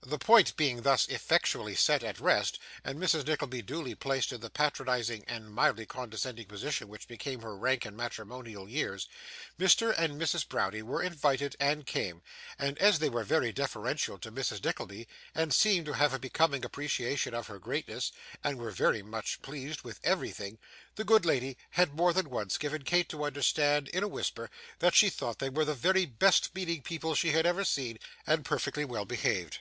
The point being thus effectually set at rest, and Mrs. Nickleby duly placed in the patronising and mildly condescending position which became her rank and matrimonial years, Mr. and Mrs. Browdie were invited and came; and as they were very deferential to Mrs. Nickleby, and seemed to have a becoming appreciation of her greatness, and were very much pleased with everything, the good lady had more than once given Kate to understand, in a whisper, that she thought they were the very best meaning people she had ever seen, and perfectly well behaved.